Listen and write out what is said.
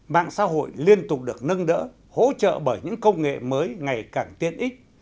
mạng xã hội liên tục được nâng đỡ hỗ trợ bởi những công nghệ mới ngày càng tiên ích